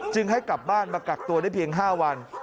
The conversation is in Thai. ให้กลับบ้านมากักตัวได้เพียง๕วัน